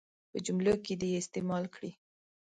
په جملو کې دې یې استعمال کړي.